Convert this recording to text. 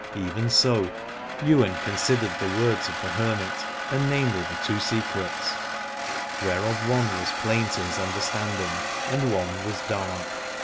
Even so Ywain considered the words of the hermit, and namely the two secrets: whereof one was plain to his under standing and one was dark.